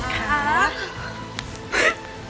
ครับ